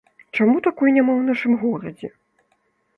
Чаму такой няма ў нашым горадзе?